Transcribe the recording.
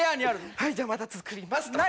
はいじゃあまた作ります